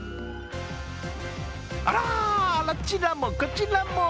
あらあちらも、こちらも！